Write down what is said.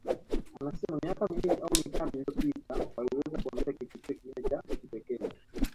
Anasema miaka miwili au mitatu iliyopita waliweza kuongeza kivutio kingine cha kipekee